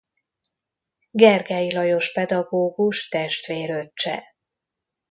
Gergely Lajos pedagógus testvéröccse.